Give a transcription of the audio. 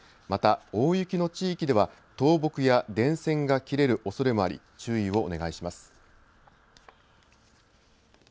また大雪の地域では倒木や電線が切れるおそれもあり注意をお願いします。